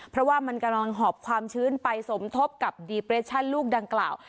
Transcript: เพราะว่ามันกำลังหอบความชื้นไปสมทบกับดีเปรชั่นลูกดังกล่าว